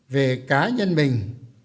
về cá nhân mình